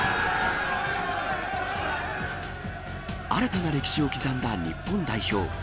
新たな歴史を刻んだ日本代表。